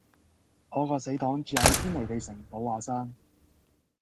我個死黨住喺堅尼地城寶雅山